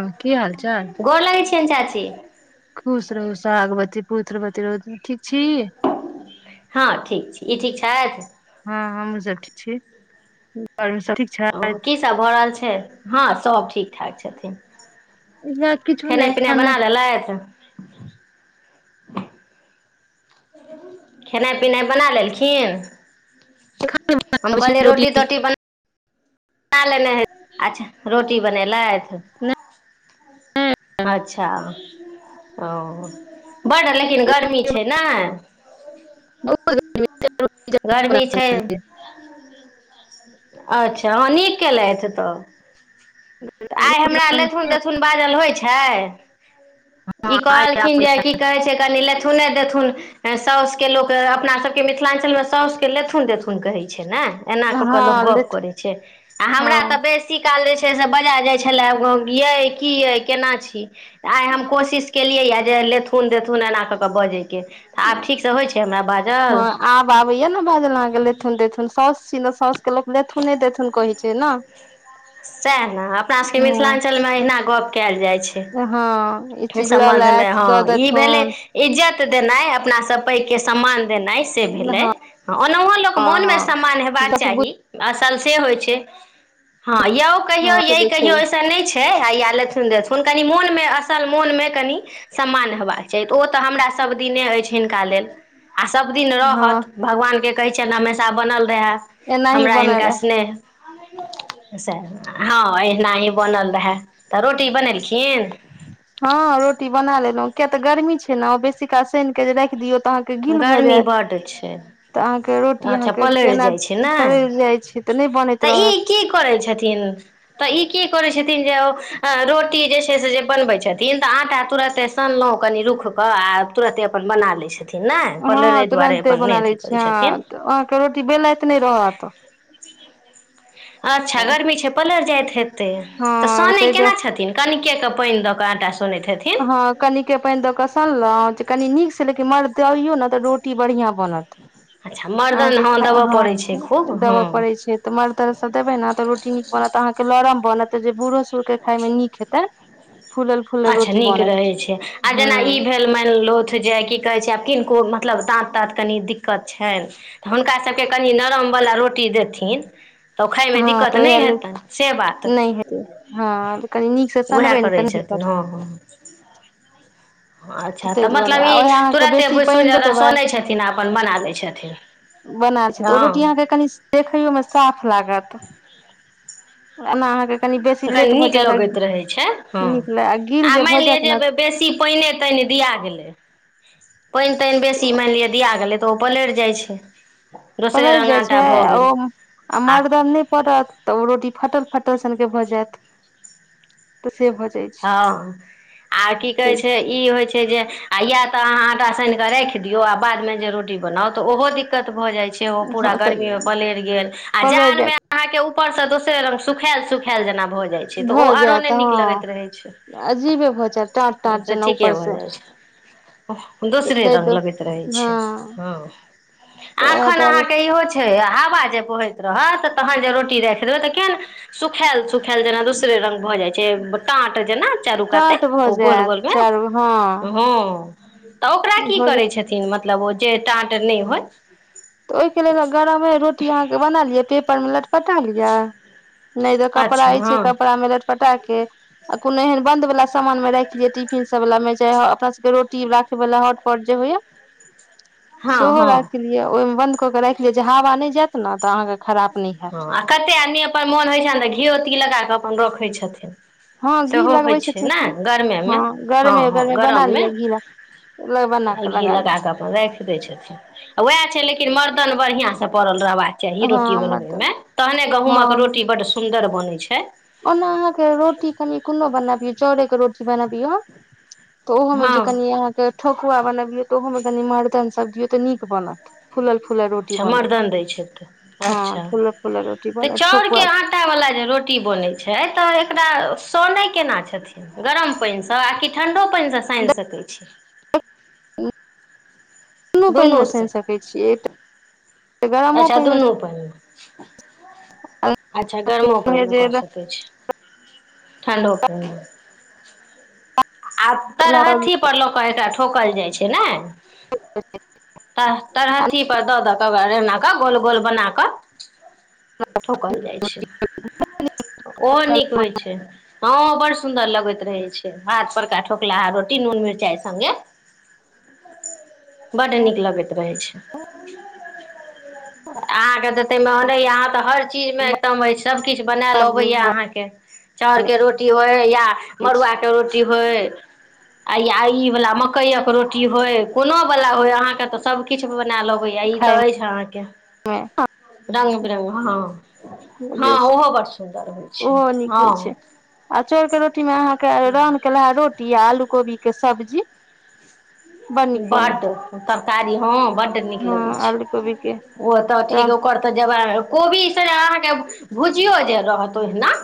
हँ की हाल चाल कोन चाची खुश रहू सुहागबति पुत्र बति ठीक छी हँ ठीक छी ई ठीक छथि हाँ हमहुँ सब ठीक छी हूँ ओ कीसब भऽ रहल छै हाँ सभ ठीक ठाक छथिन इएह किछो नहि खेनाइ पिनाइ खाना बना लेलैथ खेनाइ पिनाइ बना लेलखिन खाना हम बनबै छी, कहलियै रोटी तोटी बना बना लेने हइ अच्छा रोटी बनेलेथ नहि। अच्छा ओ बड़ लेकिन गरमी रोटी छै नयि [unintelligible] जल्दी गर्मी छै अच्छा हाँ नीक कयलथ तऽ बनाउ। तऽ आइ रोटी हमरा बनबै लेथुन तेथुन बाजल होइ छै ई आइ कहलखिन जे आबैये। की कहै छै कनी ल लेथुने देथुन सासु के लोक अपना सबके के मिथिलांचल में साउस के लेथुन देथुन कहै छै एना क क लोक हँ गप लेथ करैयै छै हमरा हँ त बेसी काल जे छै बजा जाइ छलै की यै केना छी आइ हम कोशिश के जे लेथून देथुन एना क के बजै हाँ आब आबैया ने बाजल अहाँके लेथुन तेथुन साउस सी साउस के लोक लेथुन देथुन कहै छै ना सएह ने अपना सबके मिथिलांचल मे अहिना गप कयल जाइत हाँ सम्बन्ध मे हाँ ई भेलै इज्जत देनाई अपना से पैघ के सम्मान देनाई से हँ भेलै ओनाहो लोक हँ मोन मे सम्मान हँ हेबाक जस चाही हो छै ह यौ कहियौ हँ से य तऽ छै कहियौ ऐसन नहि छै या लेथून देथून कनि मोन मे असल मोन मे कनि सम्मान हेबाक छै ओ तऽ हमरा सब दिने अछि ह का लेल आ सब दिन रहत हँ भगबान के कहइ छियइन हमेसा बनल रहै एनाही हमरा बनल हिनका रहे स्नेह से हँ एनाहे बनल रहै तऽ रोटी बनेलखिन हँ रोटी बना लेलहुं किया तऽ गर्मी छै ने बेसी काल सानिके जे रखि दियौ तऽ अहाँके गील भऽ गर्मी जायत बड्ड छै तऽ अहाँके रोटी अच्छा अहाँके पलड़ि केना जाइ छै ने पल जाइ छै तऽ नहि बनैत तऽ रहत ई की करै छथिन तऽ ई की करै छै रोटी जे छै से बनबै छथिन तऽ आटा तुरत सनलहुँ कनि रुख कऽ आ तुरंते अपन बना लेछथि हँ तुरन्ते बना लै करै छिये छथिन ह अहाँके रोटी बेलइत नहि रहत अच्छा हँ गर्मी छै पलर जाइत हेतै तऽ सोनय ताहि केना दुआरे छथिन कनि के क पइन द क आटा स हँ कनिके क पइन दऽ क सनलउ जे कनी नीक लेकिन मर्द अयो ने तऽ रोटी बढ़िया बनत अच्छा मर्दन अहाँके ख देबय हँ पड़ै छै खूब हँ देबय पड़ैत छै तऽ मर्दरद सब देबै ने तऽ रोटी नीक बनत अहाँके लरम बनत जे बूढ़ो सूढ़ के खाय मे नीक हेते फूलल फूलल अच्छा रोटी नीक बनत रहै छै आ जेना हूं ई भेल माइनलोथ जे की कहै छै किनको मतलब दाँत ताँत कनि दिक्कत छनि तऽ हुनका सबके कनि नरमवला रोटी देथि थिन तऽ खाायमे हँ दिक्कत तऽ उएह नहि ल हेतनि से बात नहि हेतै हँ कनी नीक से वएह सनबै ने करै तनी छथि न दिक्कत हँ हँ अच्छा ताहि तऽ दुआरे मतलब आ ई ओएह अहाँके तुरते बेसी पानि बुसुइन दऽ देबै सनै छथिन आ अपन बना दै छथिन बनाल छै त ओ हँ रोटी अहाँ के कनि देखैयो में साफ लाग एना आहाके त कनी नीक लगैत रहैत छै हँ नीक गील आ जे भऽ माइन लिअ जायत जे ने बेसी पाइने तइन दिया गेलै पानि तानि बेसी माइन लिअ दिया गेलै तऽ ओ पलरि जाइ छै दोसरे पलड़ रङ्ग जाइ आटा छै भऽ गेल ओ आ मरदन नइ पड़त तऽ ओ रोटी फटल फटल सनके भऽ जैत हँ आ की कहै तऽ छै ई होइ छै जे आ या त अहाँ आटा साइन क राइख दियऔ आ बाद मे जे रोटी बनाउ तऽ ओहो दिक्कत भए जाय छै से ओ पुरा हँ तऽ गर्मी मे पलइर गेल आ पलटि जार जायत मे आहा के उ ऊपर से दोसरे रंग सुखायल सुखायल जेना भऽ जाय छै ते ओ भऽ आरो जायत ने नीक लगैत हँ रहे छै अजीबे भऽ जायत टाट टाट से जेना ठीके ऊपर भऽ से जाइ छै दोसरे ताहि रंग दुआरे लगैत रहै हँ छै ह आ तऽ उएह एखन दुआरे अहाँके इहो छइ हवा जे बहैत रहत तहन जे रोटी राइख देबय त केहन सुखायल सुख खायल जेना दूसरे रंगग भऽ जाइ छै टाट जेना चारु कााते टाट भऽ ओ गोल जायत गोल मे चारू हँ हँ तऽ ओकरा की भऽ करै जायत छथिन मतलब ओ जे टाट नहि होय तऽ ओहिके लेल गरमे रोटी अहाँके बना लिअ पेपरमे लटपटा लिअ नहि तऽ कपड़ा अच्छा हँ अइछै कपड़ा मे लटपटा के आ कोनो एहन बंद वला सामान मे राख लिय टिफिन सब वाला मे चाहे अपना सबके रोटी राखय वला हॉटपॉट जे होइये [inaudible] हँ सेहो हँ राख लियै ओहिमे बन्द कऽ के राख लिय जे हवा नहि जायत ने तऽ अहाँके खराब नहि हँ हैत आ कतेक आदमी अपन मोन होइत छनि तऽ घियो ती लगा कऽ अपन रखैत छथिन हँ घी सेहो होइ लगबै छै छथिन ने की गर्मे मे हँ हँ गरमे हँ गरमे गरम बना मे लिअ घी बना कऽ घी लगा लिअ कऽ अपन राख दै छथिन वैह छै लेकिन ल मर्दन बढ़िया से पड़ल रहबाक चाही रोटी हँ बनवे मतलब में तहने गहुूंमक हँ रोटी बड सुन्दर बनै छै ओना अहाँके रोटी कनि कोनो बनाबियौ चाउड़ेके रोटी बनाबियौ तऽ ओहोमे हँ जे कनि अहाँके ठकुआ बनबिय त ओहो मे कनी मर्दन सब दियौ तऽ नीक बनत फूल फूल अच्छा मर्दन दैत छै तऽ हँ अच्छा फूलल फूलल रोटी तऽ बनत ठोकुआ चाउरके आटा वला जे रोटी बनैत तऽ एकरा साने केना छथिन गरम पान सॅं कि ठंडा पानसँ सानि सकै छी कोनो पानिमे दुनूसँ सान सकैत छियै तऽ अच्छा दुनूपइमे अच्छा गरमो पैन मे कऽ सकै छै ठंडो पाइन मे आ तर हाथी पर लऽ कऽ एकरा ठोकल जाइत छै ने तऽ तर हथी पर दऽ द क ओरा ऽ गोल गोल बना कऽ ठोकल जाइत छै ओहो नीक होइत छै हँ बड़् सुन्दर लगैत रहै छै हाथ परका ठोकला रोटी नून मिरचाइ सङ्गे बड्ड नीक लगैत रहै छै अहाँके ते मेन अहाँ तऽ हर चीज मे एकम अछइ सभकिछु बनायल बड़ नीक अबैया अहाँके बनै चाउरके रोटी होय या अछि मड़ुआके रोटी होय आ ई वला मकइक रोटी होय कोनो बला अहाँ के त सब किछ बनाय लेबे य ई ते अछि हँ रङ्ग बिरङ्ग हँ हँ जे ओहो बड़ सुन्दर होइ छै ओहो नीक हँ होइ छै आ चाउर के रोटी मे अहाँके रन केल हे रोटी आ आलू कोबी के सब्जी बड़ नीक बड बनत तरकारी ह बड्ड नीक हँ लगै छै आलू कोबी के ओ तऽ हँ ठीक ओकर तऽ जबाब कोबी ई सब अहाँके भुजियो जे रहत ओहिना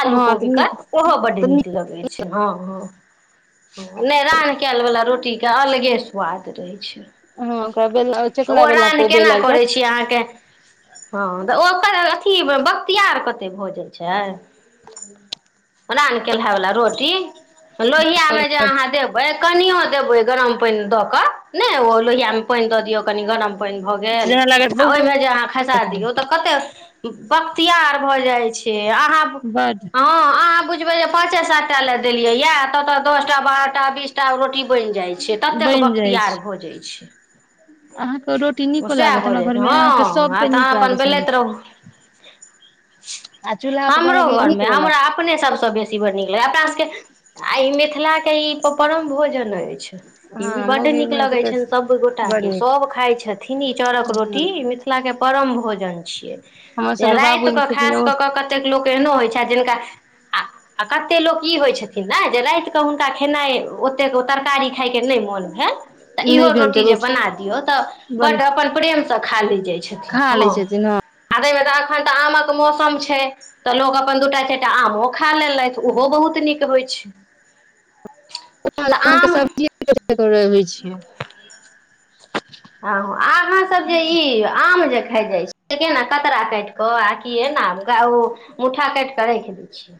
आलू तऽ कोबीे क नीक ओहो बड्ड नीक लगैत छै हँ हँ नहि रानधकयलवला रोटीके अलगे स्वाद रहै छै हँ क त ओ रान केना करैत छी अहाँके हँ तऽ ओकर अथी पियार कते भऽ जाइ छै रानह केलहा बला रोटी लोहिया मे जे अहाँ देबै कनीयो देबै गरम पानि द क ने ओ लोहिया में पानि द दियऔ कनि गरम पानि भऽ गेल जेना लागत आ ओहिमे जे अहाँ खसा दियौ तऽ कते बख्तियार भए जाइ छै अहाँ बड हॅं अहाँ बुझ बै पाँचे सात टा ले देलियै या तोत दस टा बारह टा बीसटा रोटी बनि जाइ छै ततेक बनि जाइ छै बख्तियार भऽ जाइत छै अहाँके रोटी ओ नीको सएह लागत हो हमरा जाइत छै घरमे हँ अहाँके आ सभके नीक तऽहाँ अपन लागै छनि बेलैत रहू [inaudible] आ चूल्हा पर हमरो बनबियै तऽ नीक घरमे हमरा बनत अपने सभसँ बेसी बड़ नीक लगैए अपना सभके आ ई मिथिलाके ई परम भोजन अछि ई भी हँ बड्ड मौगी नीक माटि लगैत के छनि सभगोटा बड़ के नीक सभ खाइ छथिन ई चाउरक हूँ रोटी मिथिला के परम भोजन छियै हमर जे सबके रात बाबूजी कऽ छथिन खास ओ कऽ कऽ कतेक लोक एहनो होइ छथि जिनका आ आ कतेक लोक ई होइत छथिन ने जे रात कऽ हुनका खेनाइ ओतेक ओ तरकारी खाय के नहि मोन भेल त इहो नहि भेल तऽ रोटी जे बना दियो तऽ बन बड्ड अपन प्रेम से खा ले जाए छथिन खा हँ लै छथिन हँ आ तइमै अखन तऽ आमक मौसम छै त लोग अपन दूटा चार टा आमो खा लेलथि उहो बहुत निक होई छै तऽ अहाँके आम सब्जीबै छ [unintelligible] आ अहाँ सब जे ई आम जे जाइ छै कतरा काटि कऽ आ की ने ओ मुठा काट के राखि दै छियै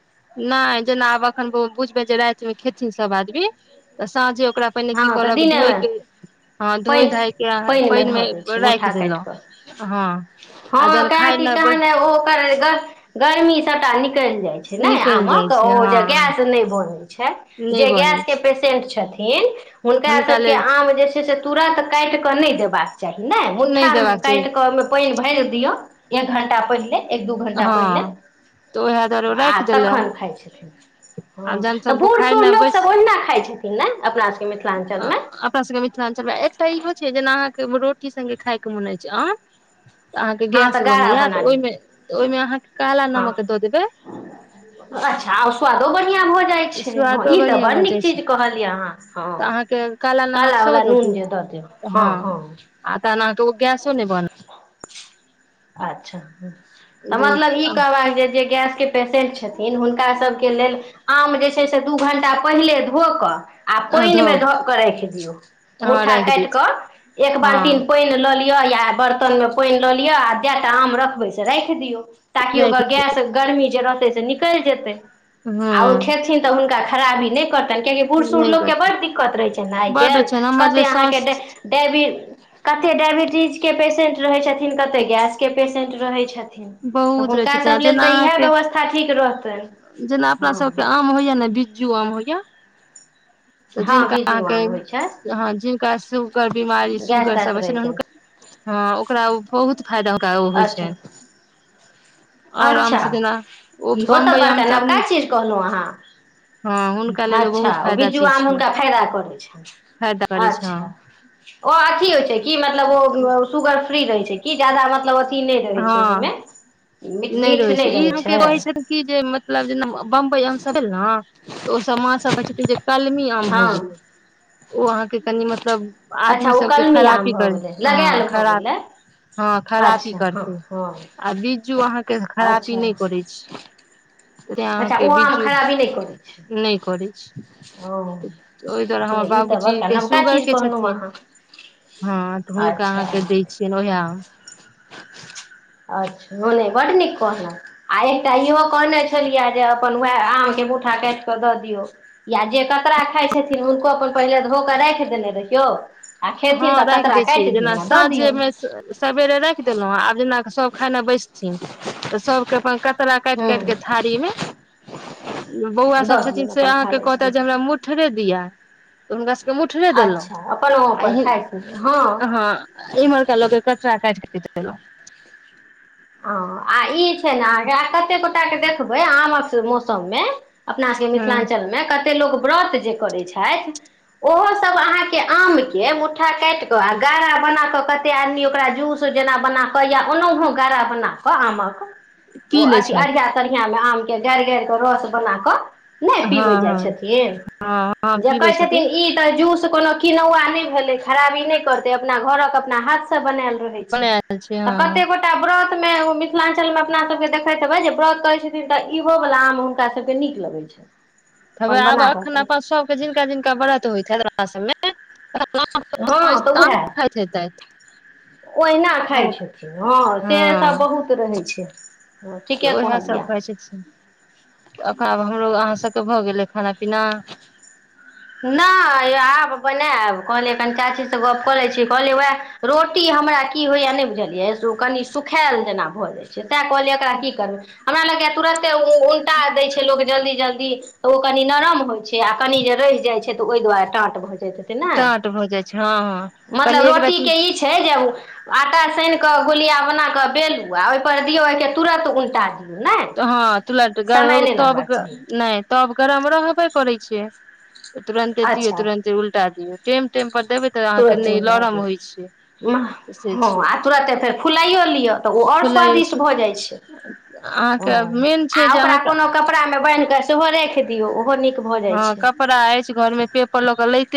नहि जेना आब अखन बुझबै जे राति मे खेथिन सब आदमी तऽ साँझे ओकरा पहिने हँ की तऽ करब दिनेमे धोइके हाँ धोए पानि धायके पानिमे पानि मे धऽ दै राखि देलहुँ हाँ हाँ काहकि कहने ओ ओकर गर्मी ल जाइ छै ने निकलि जाइ आमक छै ओ जे हँ गैस नहि बनल छै नहि जे बनै गैस के छै पेेशेंट छथिन छथिन हुनका सबके आम जे छै से तुरत काटिकऽ नहि देबाक चाही नहि मुट्ठा देबाक चाही काटिकऽ ओहिमे पानि भरि दिऔ एक घण्टा पहिले एक दू घण्टा हँ पहिले तऽ उएह दुआरे आ राखि देलहुँ तखन खाइ छथिन आब हँ जहन तऽ सब बूढ़ खाय ल सूढ़ लोक बैस सब ओहिना खाइ छथिन ने अपना सब अपना सबके मिथिलाञ्चल मे एकटा इहो छै जेना अहाँ रोटी संगे खायके मौन अइछ आम तऽ अहाँके हाँ तऽ गैस गारा बनैया बना तऽ दि ओहिमे तऽ ओहिमे अहाँके काला हाँ नमक दऽ देबै अच्छा आ स्वादो बढ़ियां भ जै जाय छै हँ स्वादो इ त बढ़िआँ बड़ भऽ निक जाइ छै चिज कहलिये आहा हँ तऽ अहाँके नमक काला सेहो वला दऽ नून दियौ जे द हाँ हँ हाँ आ न तो गैसो नहि बन [unintelligible] अच्छा तऽ जे मतलब ई कहबाक जे जे गैस के पेशेन्ट छथिन हुनकासबके लेल आम जे छै से दू घण्टा पहिले धो कऽ आ पाइन मे धऽ के राखि दियौ हँ मुठा राखि दै काट छी कऽ एक हँ बाल्टीन पाइन लऽ ले या बर्तन मे पाइन लऽ लिअ आ जेटा आम रखबै से राखि दियऔ ताकि राखि ओकर गैस गर्मी जे रहतै से निकलि जेतै आ ओ हँ खेथिन तऽ हुनका खराबी नहि करत कियकि बूढ़ सूढ़ ल नहि लोकके करतै बड दिक्कत रहै छै ने आइ बड्ड काल छै ने हमर कते जे अहाँके साउस डाय डायबटिज कते डायबिटीज के पेशेंट रहैत छथिन कते गैसके पेशेंट रहैत छथिन न तऽ बहुत रहै हुनका सब छथिन लेल जेना तऽ इएह अहाँके व्यवस्था ठीक रहतन जेना अपना सभके आम होइया ने बिज्जू आम होइया तऽ हँ जिनका बीजू अहाँके आम होइ छै हाँ जिनका सुगर बिमारी गैस सुगर तैस सबसे रहै ने छै हुनका हाँ ओकरा बहुत फायदा ओकरा ओ होइ अच्छा छै अच्छा इहो तऽ बम्बई आम बड़का सब नवका चीज कहलहुँ हँ हुनका अहाँ लेल अच्छा बहुत ओ फायदा बीज्जु चीज आम छै फैदा करै छ फायदा करै छै हँ अच्छा अ अथी होइ छै की मतलब ओ शुगर फ्री रहै छै कि जा्यदा मतलब अथी नहि रहै छै ओहिमे हँ मीठ नहि मीठ रहैत छै ई रहै अहाँके कहै छै क जे मतलब जेना बम्बई आमसब भेल ने तऽ ओसब माँ सब कहै छथिन जे कलमी आम भ हँ गेलै ओ अहाँके कनि मतलब अच्छा ओ आदमीसब के कलमी आम खराबी भऽ कर गेलै हाँ लगायल भऽ खराब गेलै खराबी अच्छा हँ करतै हँ आ बिज्जू अहाँके खराबी अच्छा नहि करै छै त अच्छा अहाँके ओ आम बीज्जु खराबी नहि करै छै नहि करै छै ओ ओहि दुआरे हमर ई तऽ बाबूजी बड़का के नवका सुगर चीज के कहलहुँ छथिन अहाँ हाँ तऽ हुनका अच्छा अहाँके दै छियनि उएह आम [inaudible] अच्छा ओने बड नीक कहलहु आ एकटा इहो कहने छलियए जे अपन वएह आम के मुठा काट क ददियौ या जे कतरा खाइ छथिन हुनका पहिले तऽ धो कऽ राखि देने रहियौ आ खेथिन हाँ तऽ राख कतरा दै छियै काटि जेना दियौन आ दऽ साँझे दियौन मे सेवेरे राख रख देलहुँ आब जेना सब खायला बैसथिन तऽ सबके अपन कतरा काटि हूँ काटि के थारी मे बौआ सब दऽ छथिन दियौन से अपन अहाँ खा के लै कहता छथिन जे हमरा मुठरे दिया तऽ हुनका सभके मुठरे देलहुँ अच्छा अपन ओ अपन खाइ छथिन आ हँ इम्हरके लोकके कटरा काटि कऽ दैत गेलै ह आ ई छै ने अहाँके आ कतेक गोटाके देखबै आमक मौसम मे अपना सबके हँ मिथिलाञ्चल मे कत ऐते लोक व्रत जे करै छथि ओहो सब अहाँके आम के मुठा काट क का बनााकऽ कतेक आदमी ओकरा जूस जेना बनााकऽ या ओनहो गारा बना क आमक ओ पी लै अथि छथि आढिया तरहिया मे आम के गारि गारि के रस बना कऽ नहि हँ पीबै जाइ हँ छथिन हँ जे पीबै कहै छथिन ई तऽ जूस कोनो किनौआ नहि भेलै खराबी नहि करतै अपना घरक अपना हाथ सॅं बनेल रहे छै बनायल छै कते हँ गोटा व्रत मे मिथिलाञ्चल मे अपना सबके देखैत हेबै जे व्रत करैत छथिन तऽ इहो वला आम हुनका सभके नीक लगैत छैनि हउवै आब अखन अपन सबके जिनका जिनका व्रत होइत ह र सब मे हँ त उहै आमे खाइत हेतैथ ओहिना खाय हँ छथिन हँ से सब बहुत रहै छै हँ तऽ ठीके उएह सब कहलियै खाइ छथिन ओरा हमरो अहाँ सबके भऽ गेलै खाना बिना नहि आब बनायब कहलिय कनि चाची से गप कऽ लै छी कहलिय वैह रोटी हमरा की होइय नहि बुझलियै कनी सुखायल जेना भऽ जाइ छै तैं कहलियै एकरा की करबै हमरा लग के तुरंते उलटा देय छै लोग जल्दी जल्दी त ओ कनी नरम होय छै आ कनि जे रहै जाइ छै तऽ ओहि दुआारे टाट भऽ जा छै दइत हैते नाय टाट भऽ जाइ छै हँ हँ नहि कनि मतलब एक रोटीक रती के ई छै जे आटा सानि कऽ गोलिया बना कऽ बेलू आ ओहिपर दियौ ओहिके तुरन्त उलटा दियौ ने तऽ हँ तु [unintelligible] समय नहि लगबाक तो चाही नहि तो गरम रहबे करै छै तुंरत दियौ अच्छा तुरंते उलटा दियौ टेम टेम पर देबै तऽ अहाँके तुरन्त नहि उल्टा लरम दियौ होइ छै तऽ से हँ छै आ तुरन्ते फेर फुलाइओ लिअ तऽ ओ आओर फुलाइ स्वादिष्ट छै भऽ जाइ छै हँ अहाँके मेन आ छै जे ओकरा अहाँके कोनो कपड़ा में बान्हि के सेहो राख दियऔ ओहो निक हँ कपड़ा अछि घर में पेपर लऽ के लेते